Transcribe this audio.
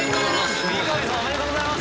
三神さんおめでとうございます！